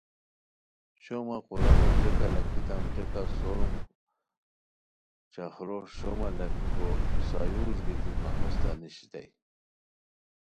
شومہ قرآنو ٹیکہ لاکھیتام، ٹیکہ سوروم چخورو شومہ لاکھیکو سایورج گیتی مہ ہوستہ نیشیتائے